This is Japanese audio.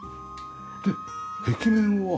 で壁面は。